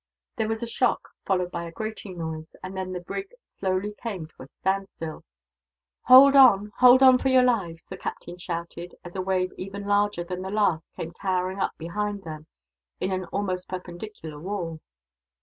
There was a shock, followed by a grating noise, and then the brig slowly came to a standstill. "Hold on, hold on for your lives!" the captain shouted, as a wave even larger than the last came towering up behind them, in an almost perpendicular wall.